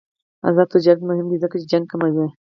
آزاد تجارت مهم دی ځکه چې جنګ کموي.